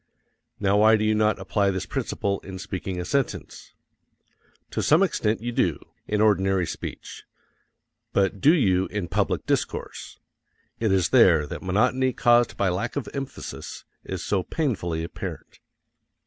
Now why do you not apply this principle in speaking a sentence? To some extent you do, in ordinary speech; but do you in public discourse? It is there that monotony caused by lack of emphasis is so painfully apparent.